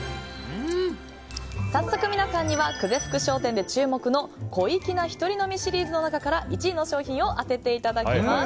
早速、皆さんには久世福商店で注目の小粋な、ひとり飲みシリーズの中から１位の商品を当てていただきます。